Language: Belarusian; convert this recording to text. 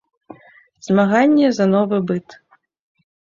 Змаганне за новы быт.